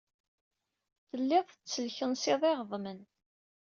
Telliḍ tettelkensiḍ iɣeḍmen.